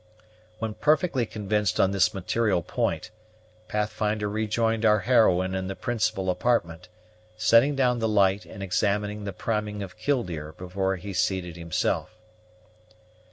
When perfectly convinced on this material point, Pathfinder rejoined our heroine in the principal apartment, setting down the light and examining the priming of Killdeer before he seated himself.